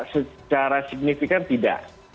secara signifikan tidak